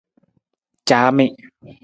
Caami.